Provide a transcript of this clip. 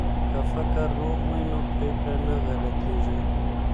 که فکر روغ وي نو پریکړه نه غلطیږي.